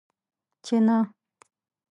چې نه!